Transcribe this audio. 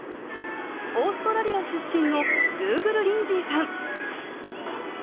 オーストラリア出身のドゥーグル・リンズィーさん